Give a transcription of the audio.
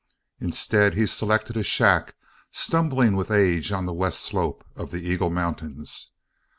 Instead, he selected a shack stumbling with age on the west slope of the Eagle Mountains.